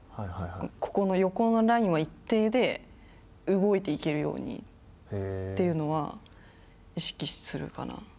ここの横のラインは一定で動いていけるようにというのは意識するかな。